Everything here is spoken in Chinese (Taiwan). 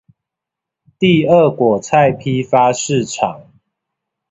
第二果菜批發市場